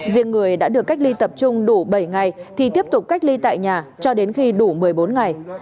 riêng người đã được cách ly tập trung đủ bảy ngày thì tiếp tục cách ly tại nhà cho đến khi đủ một mươi bốn ngày